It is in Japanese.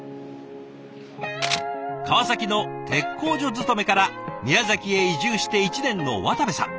川崎の鉄工所勤めから宮崎へ移住して１年の渡部さん。